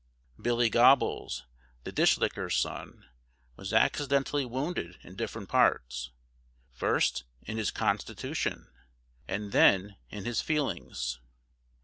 Billy Gobbles, the dish licker's son, was accidentally wounded in different parts, first in his constitution, and then in his feelings.